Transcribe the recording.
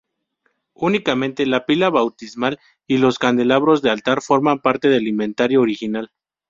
Únicamente la pila bautismal y los candelabros del altar forman parte del inventario original.